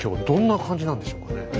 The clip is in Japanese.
どんな感じなんでしょうかね。